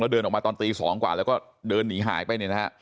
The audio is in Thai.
แล้วเดินออกมาตอนตี๒กว่าแล้วก็เดินหนีหายไป